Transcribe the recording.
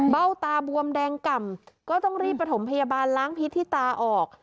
เบ้าตาบวมแดงก่ำก็ต้องรีบประถมพยาบาลล้างพิษที่ตาออก